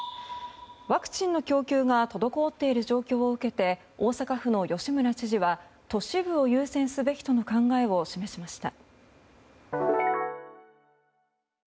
ワクチンの供給が滞っている状況を受けて大阪府の吉村知事は都市部を優先すべきとの考えを示しました。